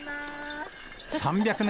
３００年